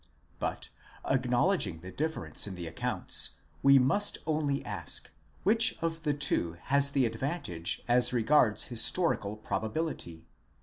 But, acknowledging the difference in the accounts, we must only ask, which of the two has the advantage as regards historical probability